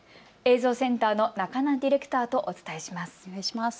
映像センターの中野ディレクターとお伝えします。